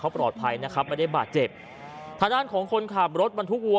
ปลอดภัยนะครับไม่ได้บาดเจ็บทางด้านของคนขับรถบรรทุกวั